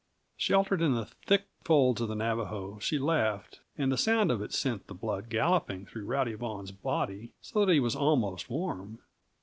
Sheltered in the thick folds of the Navajo, she laughed, and the sound of it sent the blood galloping through Rowdy Vaughan's body so that he was almost warm.